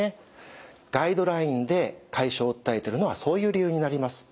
ガイドラインで解消を訴えているのはそういう理由になります。